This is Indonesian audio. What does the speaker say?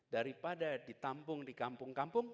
daripada ditampung di kampung kampung